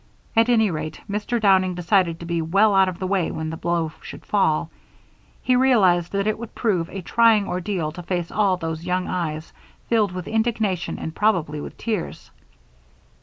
At any rate, Mr. Downing decided to be well out of the way when the blow should fall; he realized that it would prove a trying ordeal to face all those young eyes filled with indignation and probably with tears.